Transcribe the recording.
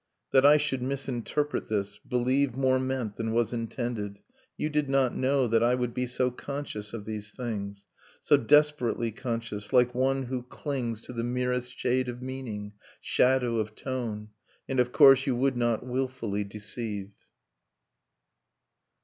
That I should misinterpret this, believe More meant than was intended ; you did not know That I would be so conscious of these things. So desperately conscious, like one who clings To the merest shade of meaning, shadow of tone. .. And of course you would not wilfully deceive